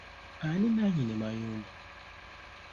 Ani nannyini mayumba?